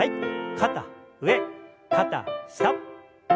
肩上肩下。